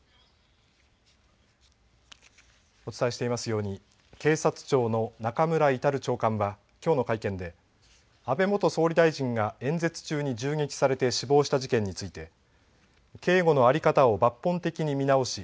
お伝えしていますように警察庁の中村格長官はきょうの会見で安倍元総理大臣が演説中に銃撃されて死亡した事件について警護の在り方を抜本的に見直し